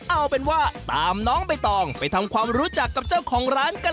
เอาเป็นว่าตามน้องใบตองไปทำความรู้จักกับเจ้าของร้านกัน